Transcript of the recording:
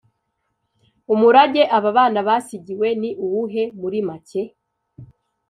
Umurage aba bana basigiwe ni uwuhe muri make?